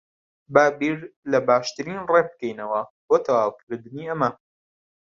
با بیر لە باشترین ڕێ بکەینەوە بۆ تەواوکردنی ئەمە.